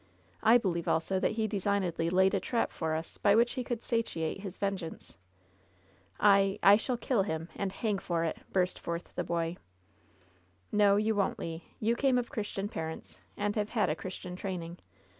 I believe also that he designedly laid a trap for us by which he could satiate his vengeance." "I — I shall kill him, and hang for it I" burst forth the boy. "No, you wonH, Le. You came of Christian parents, and have had a Christian training.